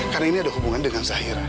karena ini ada hubungan dengan zahira